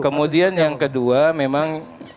kemudian yang kedua memang